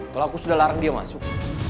kalau aku sudah larang dia masuk